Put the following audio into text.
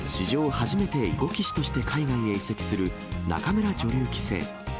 初めて囲碁棋士として海外へ移籍する仲邑女流棋聖。